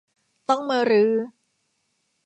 ต้องมารื้อ